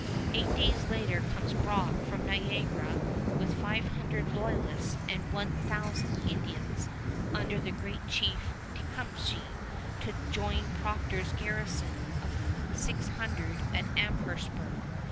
Eight days later comes Brock from Niagara with five hundred Loyalists and one thousand Indians under the great chief Tecumseh to join Procter's garrison of six hundred at Amherstburg.